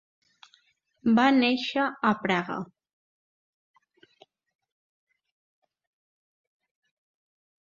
Va néixer a Praga.